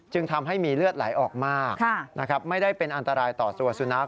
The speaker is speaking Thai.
ทำให้มีเลือดไหลออกมากไม่ได้เป็นอันตรายต่อตัวสุนัข